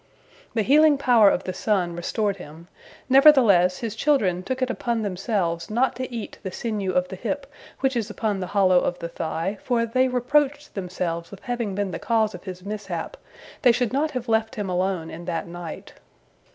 The healing power of the sun restored him, nevertheless his children took it upon themselves not to eat the sinew of the hip which is upon the hollow of the thigh, for they reproached themselves with having been the cause of his mishap, they should not have left him alone in that night.